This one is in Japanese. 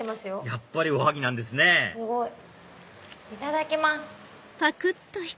やっぱりおはぎなんですねいただきます。